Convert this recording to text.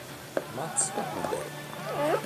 Max Huber